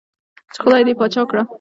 چې خدائے دې باچا کړه ـ